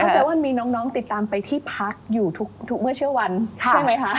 เจอว่ามีน้องติดตามไปที่พักอยู่ทุกเมื่อเชื่อวันใช่ไหมคะ